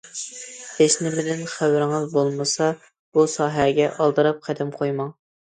ھېچنېمىدىن خەۋىرىڭىز بولمىسا، بۇ ساھەگە ئالدىراپ قەدەم قويماڭ.